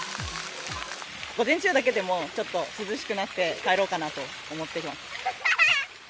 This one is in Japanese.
午前中だけでも、ちょっと涼しくなって帰ろうかなと思ってます。